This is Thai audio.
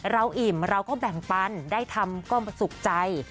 อิ่มเราก็แบ่งปันได้ทำก็สุขใจ